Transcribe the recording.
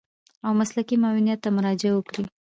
او مسلکي معاونيت ته مراجعه وکړي.